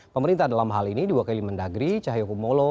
pemerintah dalam hal ini diwakili mendagri cahayu kumolo